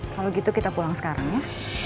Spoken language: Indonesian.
kalau gitu kita pulang sekarang ya